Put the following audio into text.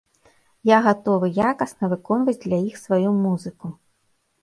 Я гатовы якасна выконваць для іх сваю музыку.